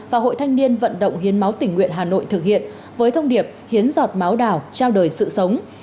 và hội thanh niên vận động hiến máu tỉnh nguyện hà nội thực hiện với thông điệp hiến giọt máu đào trao đời sự sống